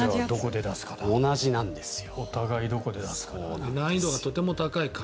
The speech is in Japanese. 同じなんですよ。